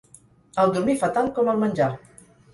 El dormir fa tant com el menjar.